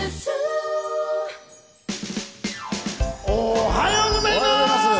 おはようございます！